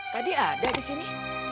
tadi ada di sini